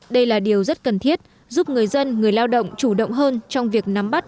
đây là điều rất cần thiết giúp người dân người lao động chủ động hơn trong việc nắm bắt